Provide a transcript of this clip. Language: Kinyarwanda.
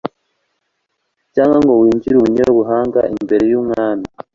cyangwa ngo wigire umunyabuhanga imbere y'umwami